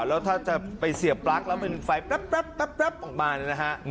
แล้วถ้าจะไปเสียปลั๊กแล้วมันไฟปรับปรับออกมานะฮะ